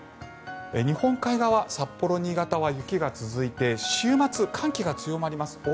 日本海側札幌、新潟は雪が続いて週末、寒気が強まります。